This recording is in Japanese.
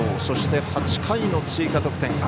そして、８回の追加得点。